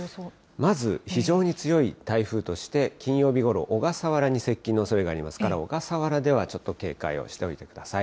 まず非常に強い台風として、金曜日ごろ、小笠原に接近のおそれがありますから、小笠原ではちょっと警戒をしておいてください。